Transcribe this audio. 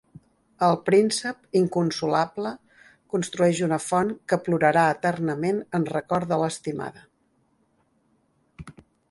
El príncep, inconsolable, construeix una font, que plorarà eternament en record de l'estimada.